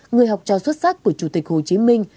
người học trò xuất sắc của chủ tịch hồ chí minh